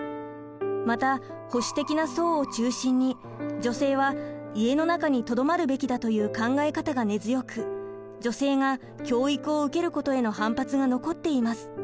また保守的な層を中心に女性は家の中にとどまるべきだという考え方が根強く女性が教育を受けることへの反発が残っています。